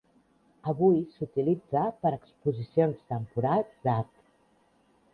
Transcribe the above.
Avui s'utilitza per a exposicions temporals d'art.